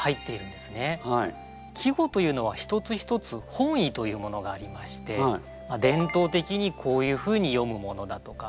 季語というのは一つ一つ本意というものがありまして伝統的にこういうふうに詠むものだとか。